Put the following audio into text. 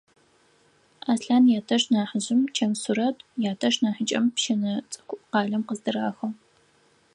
Аслъан ятэш нахьыжъым чэм сурэт, ятэш нахьыкӏэм пщынэ цӏыкӏу къалэм къыздырахыгъ.